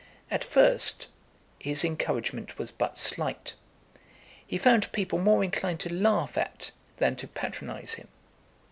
At first, his encouragement was but slight; he found people more inclined to laugh at than to patronise him.